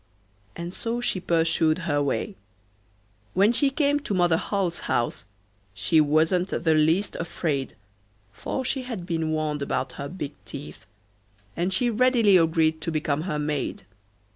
And so she pursued her way. When she came to Mother Holle's house she wasn't the least afraid, for she had been warned about her big teeth, and she readily agreed to become her maid.